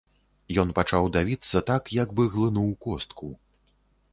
Ён пачаў давіцца так, як бы глынуў костку.